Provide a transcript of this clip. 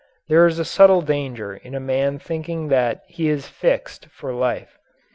There is a subtle danger in a man thinking that he is "fixed" for life.